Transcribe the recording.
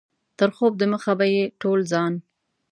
تر خوب دمخه به یې ټول ځان.